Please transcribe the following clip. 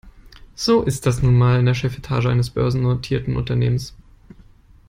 So ist das nun mal in der Chefetage eines börsennotierten Unternehmens.